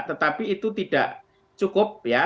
tetapi itu tidak cukup ya